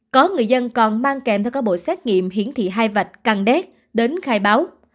có người dân còn mang kèm theo các bộ xét nghiệm hiển thị hai vạch căn đét đến khai báo